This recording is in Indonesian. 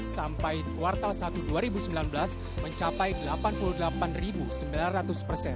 sampai kuartal satu dua ribu sembilan belas mencapai delapan puluh delapan sembilan ratus persen